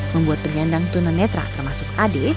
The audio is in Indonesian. membuat penyandang tunan netral termasuk ade